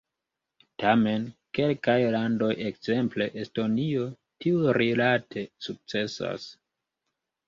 Tamen kelkaj landoj, ekzemple Estonio, tiurilate sukcesas.